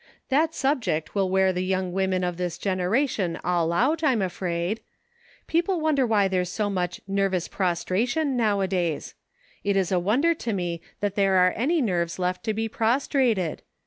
That subject will wear the young women of this generation all out, I'm afraid. People wonder why there's so much ^ nervous prostration' nowadays; it is a wonder to me that there are any nerves left to SEEKING STEPPING STONES. 219 be prostrated.